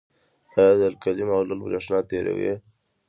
آیا د القلي محلول برېښنا تیروي؟